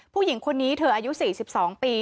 ผู้หญิงคนนี้เธออายุ๔๒ปี